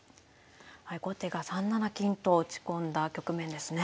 後手が３七金と打ち込んだ局面ですね。